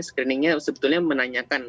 screeningnya sebetulnya menanyakan